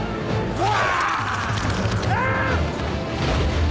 うわ！